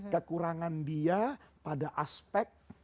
kekurangan dia pada aspek